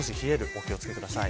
お気を付けください。